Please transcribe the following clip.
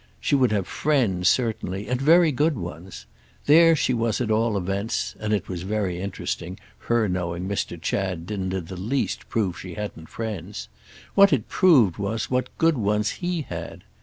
She would have friends, certainly—and very good ones. There she was at all events—and it was very interesting. Her knowing Mr. Chad didn't in the least prove she hadn't friends; what it proved was what good ones he had.